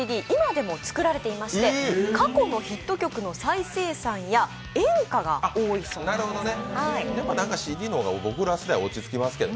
今でも作られてまして、過去のヒット曲の再生産や演歌が多いそうです。